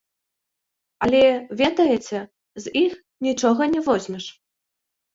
Але, ведаеце, з іх нічога не возьмеш.